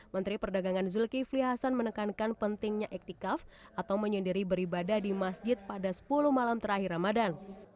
menteri perdagangan zulkifli hasan menekankan pentingnya ektikaf atau menyendiri beribadah di masjid pada sepuluh malam terakhir ramadan